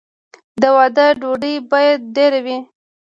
د واده ډوډۍ باید ډیره وي.